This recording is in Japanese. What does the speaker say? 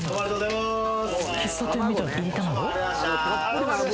喫茶店みたい。